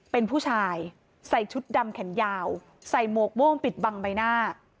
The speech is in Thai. เป็นผู้ชายใส่ชุดดำแขนยาวใส่หมวกโม่งปิดบังใบหน้า